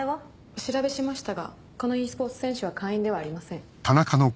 お調べしましたがこのｅスポーツ選手は会員ではありません。